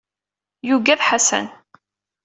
Yugad Ḥasan.